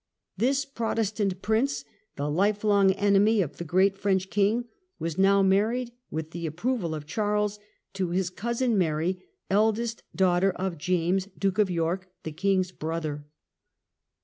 This Protestant prince, the lifelong enemy of the great French king, was now married, with the approval of Charles, to his cousin Mary, eldest daughter of James, Duke of York, the king's brother.